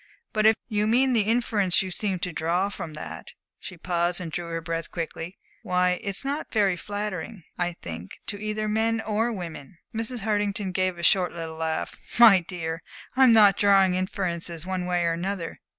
But if you mean the inference you seem to draw from that" she paused and drew her breath quickly "why, it's not very flattering, I think, to either men or women." Mrs. Hartington gave a short little laugh. "My dear, I'm not drawing inferences one way or another.